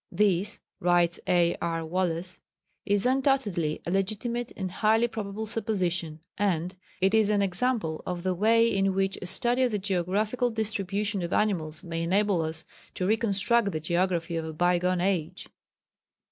"This," writes A. R. Wallace, "is undoubtedly a legitimate and highly probable supposition, and it is an example of the way in which a study of the geographical distribution of animals may enable us to reconstruct the geography of a bygone age....